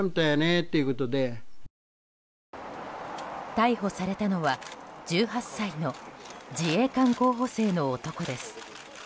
逮捕されたのは１８歳の自衛官候補生の男です。